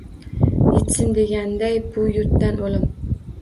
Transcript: Yitsin degandayin bu yurtdan o’lim